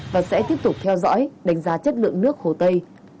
và sẽ tiếp tục theo dõi đánh giá chất lượng nước hồ tây